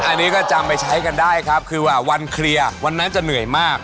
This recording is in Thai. อันนี้ก็จำไปใช้กันได้ครับคือว่าวันเคลียร์วันนั้นจะเหนื่อยมาก